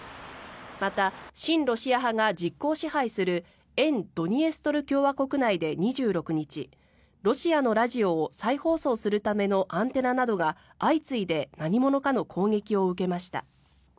また、親ロシア派が実効支配する沿ドニエストル共和国内で２６日ロシアのラジオを再放送するためのアンテナなどが相次いで何者かの攻撃を受けました。